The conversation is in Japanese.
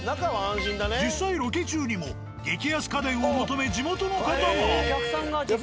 実際ロケ中にも激安家電を求め地元の方が。